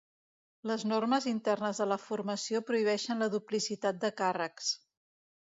Les normes internes de la formació prohibeixen la duplicitat de càrrecs.